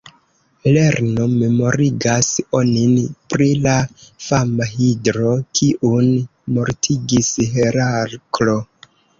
Lerno memorigas onin pri la fama Hidro, kiun mortigis Heraklo.